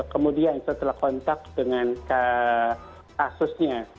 kemudian setelah kontak dengan kasusnya